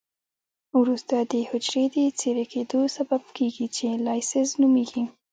وروسته د حجري د څیرې کیدو سبب کیږي چې لایزس نومېږي.